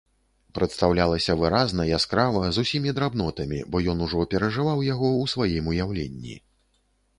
Прадстаўлялася выразна, яскрава, з усімі драбнотамі, бо ён ужо перажываў яго ў сваім уяўленні.